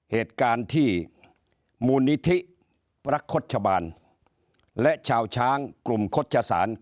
เหตุการณ์ที่มูลนิธิรักโฆษบาลและชาวช้างกลุ่มโฆษศาล